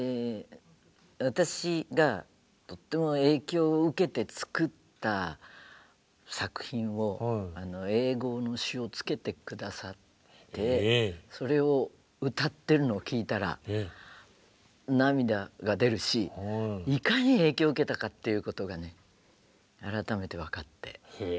私がとっても影響を受けて作った作品を英語の詞をつけて下さってそれを歌ってるのを聴いたら涙が出るしいかに影響を受けたかっていうことがね改めて分かって。